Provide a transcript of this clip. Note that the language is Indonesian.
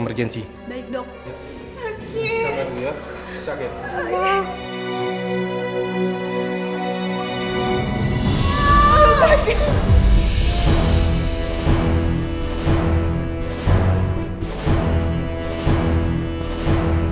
pergi aku bilang